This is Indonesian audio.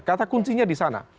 kata kuncinya di sana